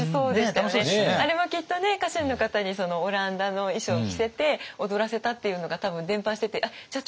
あれもきっとね家臣の方にオランダの衣装着せて踊らせたっていうのが多分伝ぱしててじゃあ